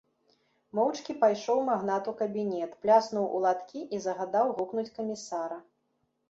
Моўчкі пайшоў магнат у кабінет, пляснуў у ладкі і загадаў гукнуць камісара.